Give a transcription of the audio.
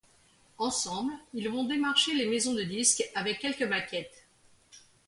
Ensemble ils vont démarcher les maisons de disques avec quelques maquettes.